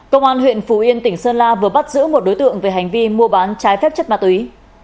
công an huyện phú yên tỉnh sơn la vừa bắt giữ một đối tượng về hành vi mua bán trái phép chất ma túy